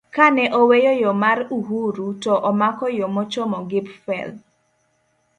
kane oweyo yo mar Uhuru to omako yo mochomo Gipfel,